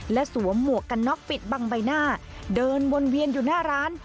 และสวมหมวกกันน็อกปิดบังใบหน้าเดินวนเวียนอยู่หน้าร้าน